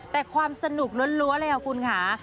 แต่ความสนุกล้วนเลยค่ะคุณค่ะ